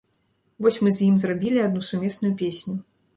Вось мы з ім зрабілі адну сумесную песню.